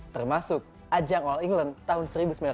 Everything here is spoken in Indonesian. termasuk ajang all england tahun seribu sembilan ratus sembilan puluh